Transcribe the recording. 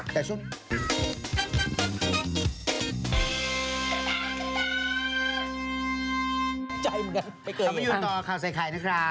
ผมยอดต่อข่าวใส้ข่ายนะครับ